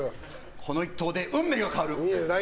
この一投で運命が変わる。